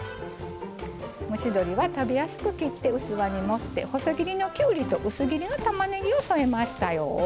蒸し鶏は食べやすく切って器に盛って、細切りのきゅうりと薄切りのたまねぎを添えましたよ。